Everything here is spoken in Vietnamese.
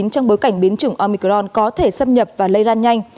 trong bối cảnh biến chủng omicron có thể xâm nhập và lây lan nhanh